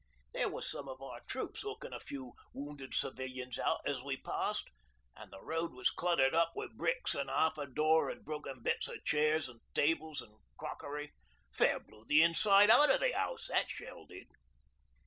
There was some of our troops hookin' a few wounded civilians out as we passed and the road was cluttered up wi' bricks an' half a door an' broken bits o' chairs an' tables an' crockery. Fair blew the inside out o' the house, that shell did.